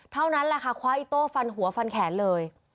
เท่านั้นแหละค่ะคว้าอิโต้ฟันหัวฟันแขนเลย